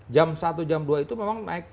jam satu jam dua itu memang naik